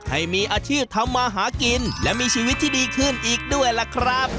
ให้มีอาชีพทำมาหากินและมีชีวิตที่ดีขึ้นอีกด้วยล่ะครับ